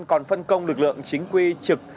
còn phân công lực lượng chính quy trực